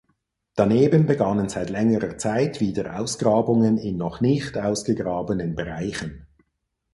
Daneben begannen seit längerer Zeit wieder Ausgrabungen in noch nicht ausgegrabenen Bereichen.